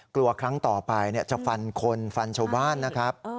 กลัวครั้งต่อไปจะฟันคนฟันชาวบ้านนะครับ